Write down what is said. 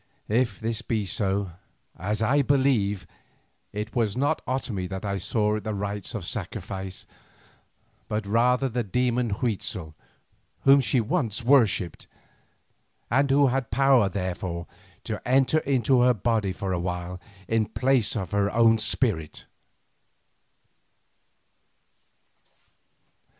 If this be so, as I believe, it was not Otomie that I saw at the rites of sacrifice, but rather the demon Huitzel whom she had once worshipped, and who had power, therefore, to enter into her body for awhile in place of her own spirit.